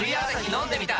飲んでみた！